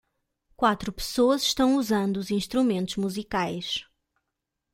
Quatro pessoas estão usando os instrumentos musicais.